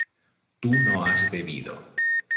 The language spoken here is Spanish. tú no has bebido